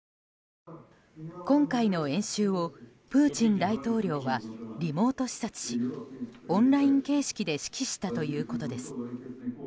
今回の演習をプーチン大統領はリモート視察しオンライン形式で指揮したということです。